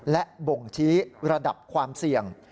และบ่งชี้ระดับความเสี่ยง